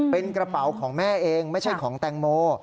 เป็นกระเป๋าของแม่เองไม่ใช่ของแตงโม